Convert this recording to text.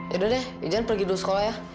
yaudah deh ijan pergi dulu sekolah ya